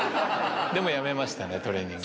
でもうやめましたトレーニング。